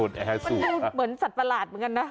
ดูเหมือนสัตว์ประหลาดเหมือนกันนะ